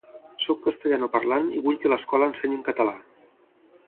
“Sóc castellanoparlant i vull que l’escola ensenyi en català”